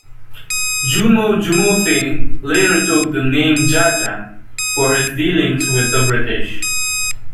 Jumo Jumofe later took the name "Jaja" for his dealings with the British.